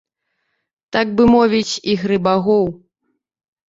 Так бы мовіць, ігры багоў.